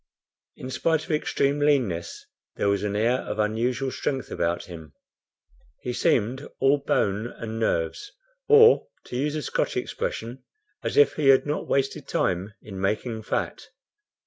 In spite of extreme leanness there was an air of unusual strength about him. He seemed all bone and nerves, or, to use a Scotch expression, as if he had not wasted time in making fat.